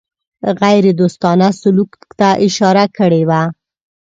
غیردوستانه سلوک ته اشاره کړې وه.